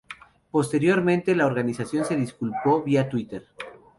Posteriormente la organización se disculpó vía Twitter.